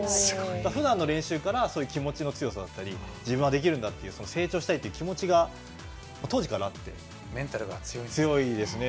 ふだんの練習から気持ちの強さや自分はできるんだという成長したいという気持ちが当時からあってメンタルが強いですね。